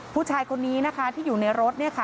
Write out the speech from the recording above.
ผู้ชายคนนี้นะคะที่อยู่ในรถเนี่ยค่ะ